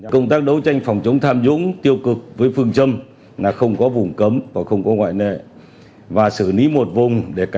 công tác đấu tranh phòng chống tham dũng tiêu cực với phương châm là không có vùng cấm và không có ngoại nệ